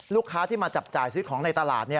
ลูกค้าที่มาจับจ่ายซื้อของในตลาด